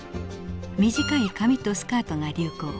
短い髪とスカートが流行。